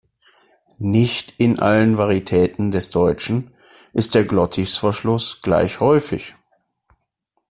Nicht in allen Varitäten des Deutschen ist der Glottisverschluss gleich häufig.